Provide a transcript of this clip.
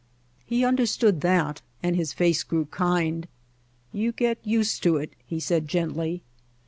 He understood that and his face grew kind. "You get used to it," he said gently.